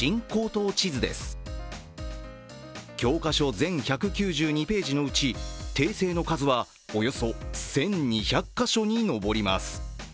全１９２ページのうち、訂正の数はおよそ１２００か所に上ります。